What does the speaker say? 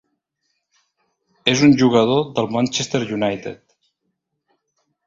És un jugador del Manchester United.